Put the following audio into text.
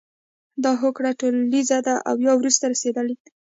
دا هوکړه ټولیزه ده او یا ورته رسیدلي دي.